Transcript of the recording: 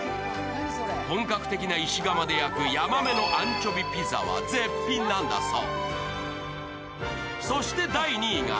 本格的な石窯で焼くやまめのアンチョビピザは絶品なんだそう。